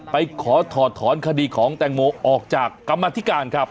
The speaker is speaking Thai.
ไปขอถอดถอนคดีของแตงโมออกจากกรรมธิการครับ